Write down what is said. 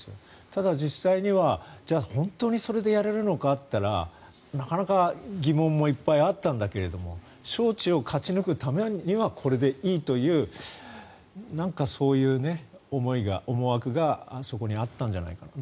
ただ、実際にはじゃあ、本当にそれでやれるのかといったらなかなか疑問もいっぱいあったんだけども招致を勝ち抜くためにはこれでいいというなんかそういう思いが、思惑がそこにあったんじゃないかと。